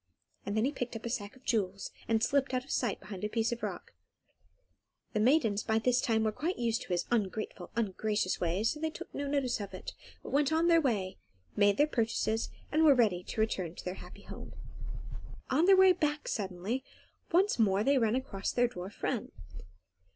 Then he picked up a sack of jewels, and slipped out of sight behind a piece of rock. The maidens by this time were quite used to his ungrateful, ungracious ways; so they took no notice of it, but went on their way, made their purchases, and then were ready to return to their happy home. [Illustration: Painted by Jennie Harbour SNOW WHITE AND ROSE RED] On their way back, suddenly, once more they ran across their dwarf friend.